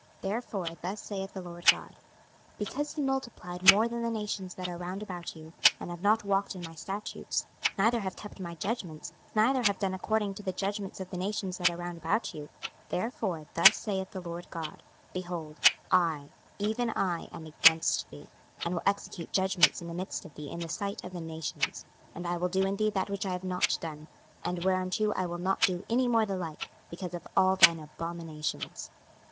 26:005:007 Therefore thus saith the Lord GOD; Because ye multiplied more than the nations that are round about you, and have not walked in my statutes, neither have kept my judgments, neither have done according to the judgments of the nations that are round about you; 26:005:008 Therefore thus saith the Lord GOD; Behold, I, even I, am against thee, and will execute judgments in the midst of thee in the sight of the nations. 26:005:009 And I will do in thee that which I have not done, and whereunto I will not do any more the like, because of all thine abominations.